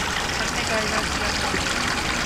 رکھنے کا اعلان کیا تھا